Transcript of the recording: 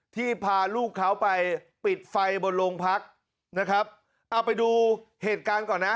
พาลูกเขาไปปิดไฟบนโรงพักนะครับเอาไปดูเหตุการณ์ก่อนนะ